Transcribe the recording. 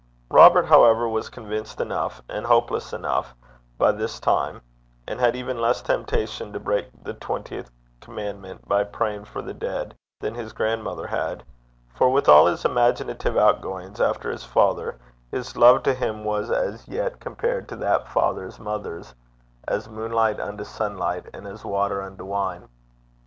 Robert, however, was convinced enough, and hopeless enough, by this time, and had even less temptation to break the twentieth commandment by praying for the dead, than his grandmother had; for with all his imaginative outgoings after his father, his love to him was as yet, compared to that father's mother's, 'as moonlight unto sunlight, and as water unto wine.'